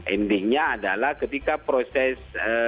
intinya adalah ketika proses pengumuman terjadi